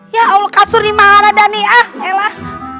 ya allah kasur dimarahin dhani ah elah